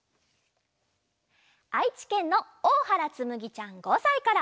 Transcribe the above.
あいちけんのおおはらつむぎちゃん５さいから。